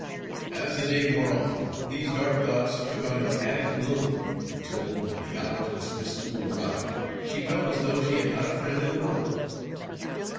As the day wore on, these dark thoughts took on an added gloom, until, when the hour to dismiss school arrived, she felt as though she had not a friend in the world.